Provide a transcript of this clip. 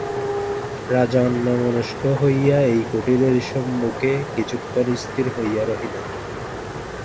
রাজা অন্যমনস্ক হইয়া এই কুটিরের সম্মুখে কিছুক্ষণ স্থির হইয়া রহিলেন।